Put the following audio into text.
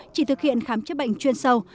chỉ thực hiện khám chữa bệnh chuyên sâu